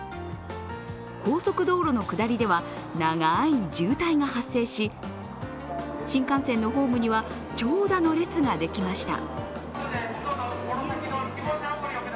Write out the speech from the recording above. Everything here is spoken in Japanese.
高速道路の下りでは長い渋滞が発生し、新幹線のホームには長蛇の列ができました。